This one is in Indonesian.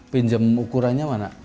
pinjam ukurannya mana